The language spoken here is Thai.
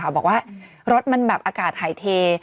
บอกว่ารถมันแบบอากาศหายเท